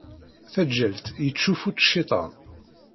Taǧǧalt yeččufu-tt cciṭan.